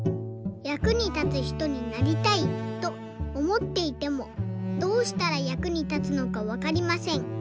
「役に立つひとになりたいとおもっていてもどうしたら役に立つのかわかりません。